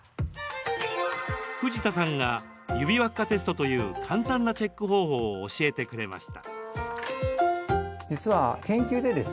藤田さんが、ゆびわっかテストという簡単なチェック方法を教えてくれました。